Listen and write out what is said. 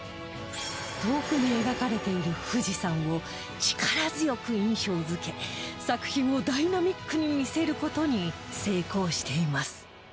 遠くに描かれている富士山を力強く印象付け作品をダイナミックに見せる事に成功しています